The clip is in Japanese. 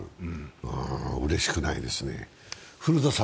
うれしくないですね。